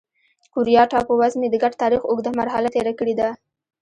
کوریا ټاپو وزمې د ګډ تاریخ اوږده مرحله تېره کړې ده.